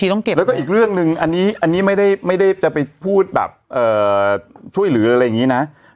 แล้วก็อีกเรื่องหนึ่งอันนี้ไม่ได้จะไปพูดแบบช่วยเหลืออะไรอย่างนี้นะ